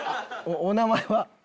お名前は？